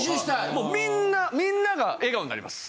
もうみんなみんなが笑顔になります。